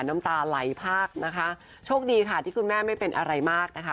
น้ำตาไหลภาคนะคะโชคดีค่ะที่คุณแม่ไม่เป็นอะไรมากนะคะ